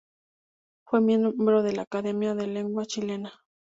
Fue miembro de la Academia de la Lengua Chilena.